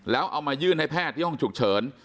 แล้วเอามายื่นให้แพทย์ที่ห้องฉุกเฉิน